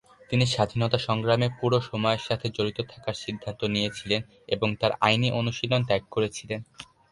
তিনি স্বাধীনতা সংগ্রামে পুরো সময়ের সাথে জড়িত থাকার সিদ্ধান্ত নিয়েছিলেন এবং তার আইনি অনুশীলন ত্যাগ করেছিলেন।